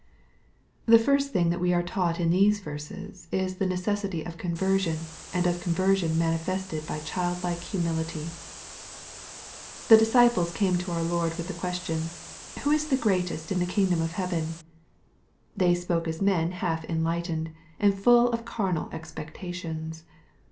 The first thing that we are taught in these verses, is the necessity of conversion, and of conversion manifested by childlike humility. The disciples came to our Lord with the question, " Who is the greatest in the kingdom of heaven ?" They spoke as men half enlightened, and full of carnal expectations.